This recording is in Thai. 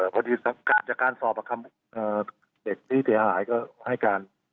พอดีจะการสอบอาการเจ็บสีที่หายก็ให้การ